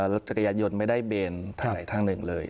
รถจักรยานยนต์ไม่ได้เบนทางไหนทางหนึ่งเลย